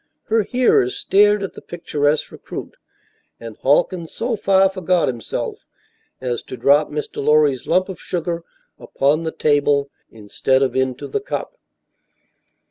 Her hearers stared at the picturesque recruit, and Halkins so far forgot himself as to drop Mr. Lorry's lump of sugar upon the table instead of into the cup.